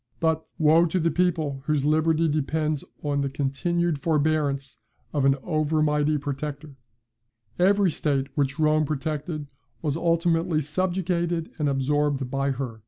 But, "Woe to the people whose liberty depends on the continued forbearance of an over mighty protector." [Malkin's History of Greece.] Every state which Rome protected was ultimately subjugated and absorbed by her.